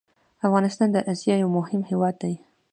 افغانستان د اسيا يو مهم هېواد ده